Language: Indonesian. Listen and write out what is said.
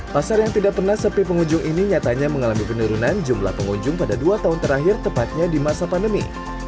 pasar yang tidak pernah sepi pengunjung ini nyatanya mengalami penurunan jumlah pengunjung pada dua tahun terakhir tepatnya di masa pandemi